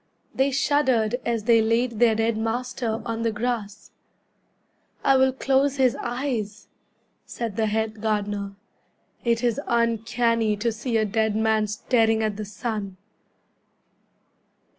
They shuddered as they laid their dead master On the grass. "I will close his eyes," said the head gardener, "It is uncanny to see a dead man staring at the sun."